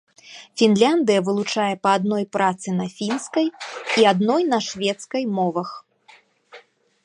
Фінляндыя вылучае па адной працы на фінскай і адной на шведскай мовах.